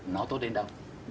nó tốt đến đâu